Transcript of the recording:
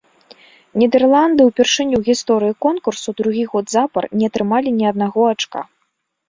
Нідэрланды ўпершыню ў гісторыі конкурсу другі год запар не атрымалі ні аднаго ачка.